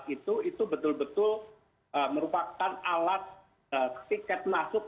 dengan alat itu itu betul betul merupakan alat tiket masuk